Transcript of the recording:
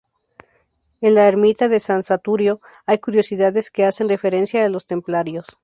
En la ermita de San Saturio hay curiosidades que hacen referencia a los templarios.